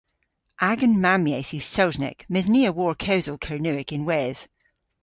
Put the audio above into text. Agan mammyeth yw Sowsnek, mes ni a wor kewsel Kernewek ynwedh.